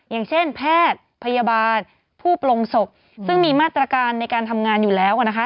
อย่างเช่นแพทย์พยาบาลผู้ปลงศพซึ่งมีมาตรการในการทำงานอยู่แล้วนะคะ